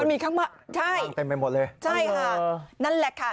มีข้างมากใช่เต็มไปหมดเลยใช่ค่ะนั่นแหละค่ะ